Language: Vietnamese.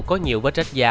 có nhiều vết rách già